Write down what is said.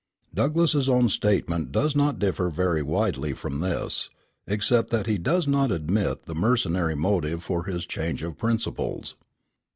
Douglass's own statement does not differ very widely from this, except that he does not admit the mercenary motive for his change of principles.